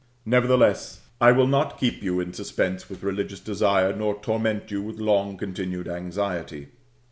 Nevertheless, I will not keep you in suspense with religious desire, nor torment you with long continued anxiety.